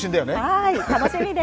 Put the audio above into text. はい、楽しみです。